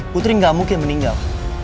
putri gak mungkin meninggal